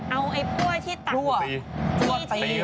เอาไอ้พ่วยที่ตัดอุปสรี